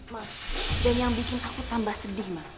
mas dan yang bikin aku tambah sedih mas